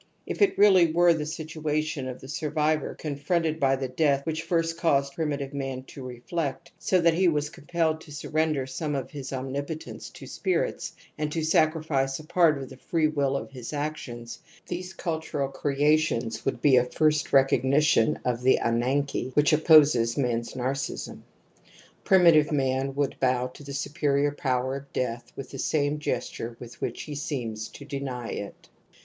If it really were the situation of the siu^ivor confronted by the dead which first caused primitive man to reflect, so that he was compelled to surrender some of his omnipotence to spirits and to sacrifice a part of the free will of his actions, these cultiu'al crea tions would be a first recognition of the av&^icy]^ which opposes man's narcism. Primitive man would bDw to the superior power of death with the same gesture with which he seems to deny it.